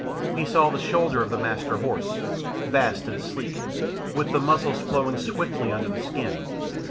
He saw the shoulder of the Master Horse, vast and sleek, with the muscles flowing swiftly under the skin.